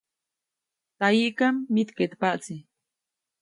Tsayiʼkam mitkeʼtpaʼtsi.